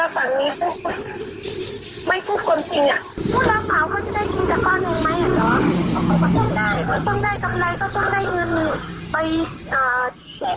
พี่ฟังอ่ะเหมือนจะกูดว่าฝั่งมีปุ๊บไม่คูบความจริงอ่ะ